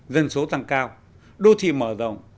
dân số tăng cao đô thị mở rộng